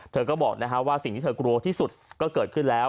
เธอก็บอกว่าสิ่งที่เธอกลัวที่สุดก็เกิดขึ้นแล้ว